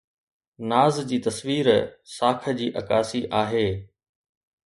ناز جي تصوير ساک جي عڪاسي آهي